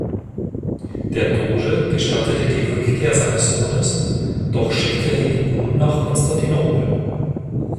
Der Doge gestattete die Rückkehr seines Sohnes, doch schickte er ihn nun nach Konstantinopel.